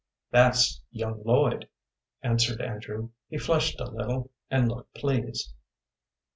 "That's young Lloyd," answered Andrew. He flushed a little, and looked pleased.